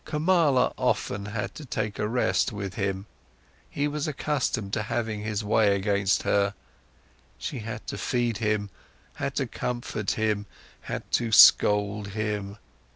Kamala often had to take a rest with him, he was accustomed to having his way against her, she had to feed him, had to comfort him, had to scold him.